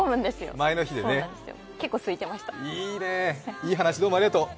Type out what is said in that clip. いい話をどうもありがとう。